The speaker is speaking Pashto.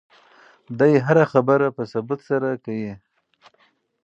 دی هره خبره په ثبوت سره کوي.